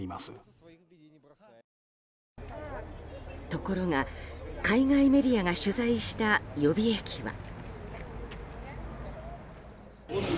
ところが、海外メディアが取材した予備役は。